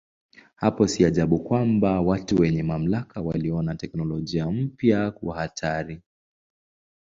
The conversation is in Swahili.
Hapo si ajabu kwamba watu wenye mamlaka waliona teknolojia mpya kuwa hatari.